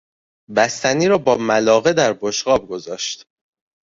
بستنی را با ملاقه در بشقاب گذاشت.